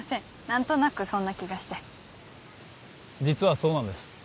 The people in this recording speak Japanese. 何となくそんな気がして実はそうなんです